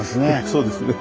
そうですね。